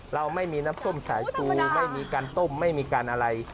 เราไม่มีน้ำส้มสายชูไม่มีการต้มไม่มีการอะไร